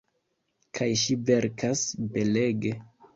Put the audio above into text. Kaj ŝi verkas belege.